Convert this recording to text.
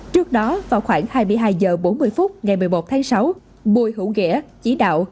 trước đó vào khoảng hai mươi hai h bốn mươi phút ngày một mươi một tháng sáu bùi hữu ghe chỉ đạo